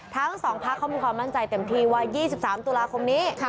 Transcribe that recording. ทั้ง๒พักเขามีความมั่นใจเต็มที่ว่า๒๓ตุลาคมนี้